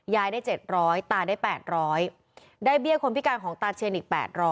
ยายได้๗๐๐ตาได้๘๐๐ได้เบี้ยคนพิการของตาเชียนอีก๘๐๐